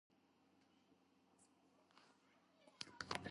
თანამდებობა ავტომატურად ენიჭება მოქმედი პრეზიდენტის მეუღლეს.